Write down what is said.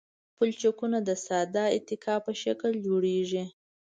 پلچکونه د ساده اتکا په شکل جوړیږي